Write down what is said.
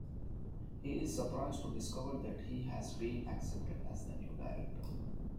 He is surprised to discover that he has been accepted as the new Director.